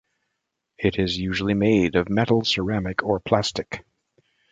It is usually made of metal, ceramic or plastic.